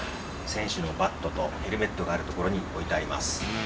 選手のバットとヘルメットがある所に置いてあります。